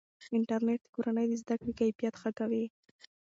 انټرنیټ د کورنۍ د زده کړې کیفیت ښه کوي.